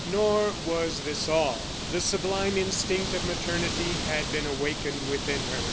Nor was this all. The sublime instinct of maternity had been awakened within her.